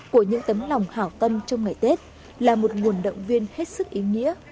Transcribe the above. của những tấm lòng hảo tâm trong ngày tết là một nguồn động viên hết sức ý nghĩa